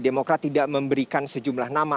demokrat tidak memberikan sejumlah nama